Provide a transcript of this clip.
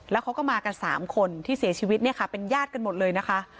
แล้วเขาก็มากัน๓คนที่เสียชีวิตเนี่ยค่ะเป็นญาติกันหมดเลยนะคะ